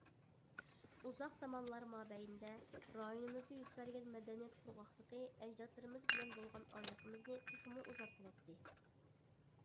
ئۇزاق زامانلار مابەينىدە رايونىمىزدا يۈز بەرگەن مەدەنىيەت قۇرغاقلىقى ئەجدادلىرىمىز بىلەن بولغان ئارىلىقىمىزنى تېخىمۇ ئۇزارتىۋەتتى.